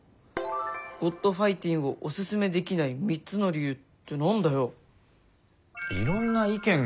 「『ｇｏｄファイティン』をおススメできない３つの理由」って何だよ。